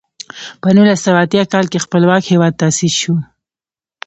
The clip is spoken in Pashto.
په نولس سوه اتیا کال کې خپلواک هېواد تاسیس شو.